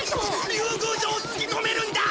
竜宮城を突き止めるんだ！